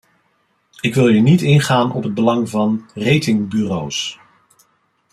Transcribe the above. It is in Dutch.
Ik wil hier niet ingaan op het belang van ratingbureaus.